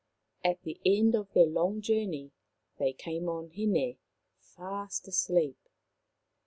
At the end of their long journey they came on Hine, fast asleep.